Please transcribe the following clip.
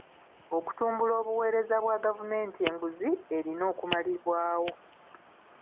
Okutumbula obuweereza bwa gavumenti enguzi erina okumalibwawo.